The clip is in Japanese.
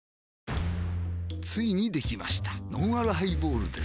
ついにできましたのんあるハイボールです